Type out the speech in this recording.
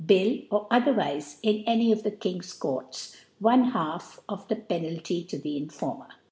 Bill, or otherwife, in any of * the King's Courts ; one Half of the Pe * nalty to the Informer.